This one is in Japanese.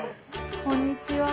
こんにちは。